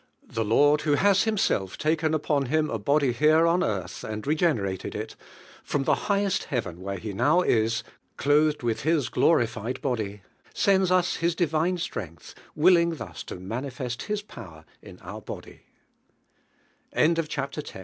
The Lord, who has Himself DIVIDE HEALING. « taken upon Him a body here on earth and regenerated it, from the highest hea ven, where He now is, clothed with His glorified body, sends us His divine strength, willing thus to manifest His power in o